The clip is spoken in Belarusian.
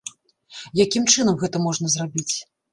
Якім чынам гэта можна зрабіць?